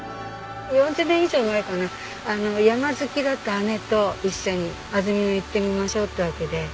４０年以上前から山好きだった姉と一緒に安曇野へ行ってみましょうっていうわけで。